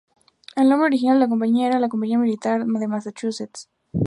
El nombre original de la Compañía era "La Compañía Militar de Massachusetts".